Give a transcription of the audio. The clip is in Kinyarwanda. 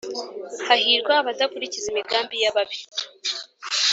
Hahirwa abadakurikiza imigambi ya babi